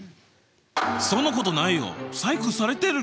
そんなことないよ！